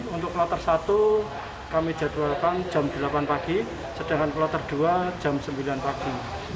untuk kloter satu kami jadwalkan jam delapan pagi sedangkan kloter dua jam sembilan pagi